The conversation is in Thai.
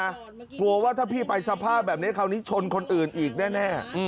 กลัวว่าถ้าพี่ไปสภาพแบบนี้คราวนี้ชนคนอื่นอีกแน่